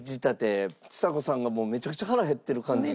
ちさ子さんがもうめちゃくちゃ腹減ってる感じが。